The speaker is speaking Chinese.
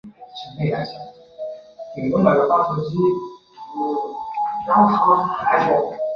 元佑三年卒。